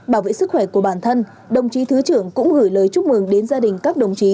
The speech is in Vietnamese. bảo vệ sức khỏe của bản thân đồng chí thứ trưởng cũng gửi lời chúc mừng đến gia đình các đồng chí